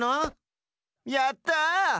やった！